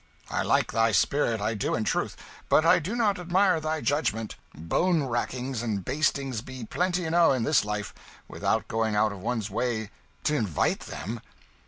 "I like thy spirit, I do in truth; but I do not admire thy judgment. Bone rackings and bastings be plenty enow in this life, without going out of one's way to invite them.